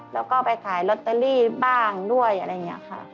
แล้วก็ไปขายลอตเตอรี่บ้างด้วยอะไรอย่างนี้ค่ะ